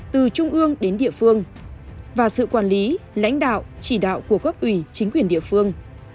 từ trung ương đến địa phương và sự quản lý lãnh đạo chỉ đạo của cấp ủy chính quyền địa phương